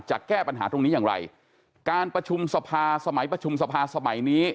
แก้ปัญหาตรงนี้อย่างไรการประชุมสภาสมัยประชุมสภาสมัยนี้